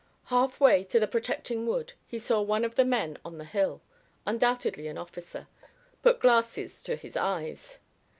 Half way to the protecting wood he saw one of the men on the hill, undoubtedly an officer, put glasses to his eyes.